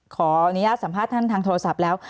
ขออนุญาตสัมภาษณ์ท่านทางโทรศัพท์แล้ว